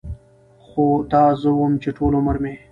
خو دا زه وم چې ټول عمر مې